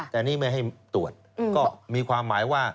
แต่นี่ไม่ให้ตรวจก็มีความหมายว่า